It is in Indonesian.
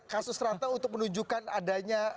kasus ratna untuk menunjukkan adanya hoax